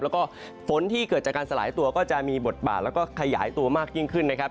แล้วก็ฝนที่เกิดจากการสลายตัวก็จะมีบทบาทแล้วก็ขยายตัวมากยิ่งขึ้นนะครับ